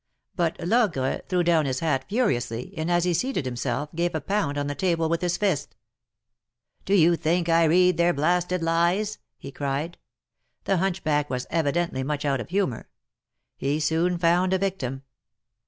But Logre threw down his hat furiously, and, as he seated himself, gave a pound on the table with his fist. '^Do you think I read their blasted lies?" he cried. The hunchback was evidently much out of humor. He soon found a victim.